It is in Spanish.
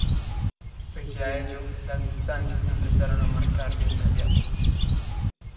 Pese a ello, las distancias se empezaron a marcar de inmediato.